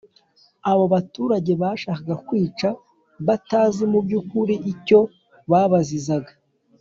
abo baturage bashakaga kwica batazi mu by ukuri icyo babazizaga